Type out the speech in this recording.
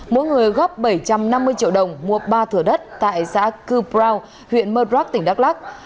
mỗi người góp bảy trăm năm mươi triệu đồng mua ba thửa đất tại xã cư brau huyện murrock tỉnh đắk lắc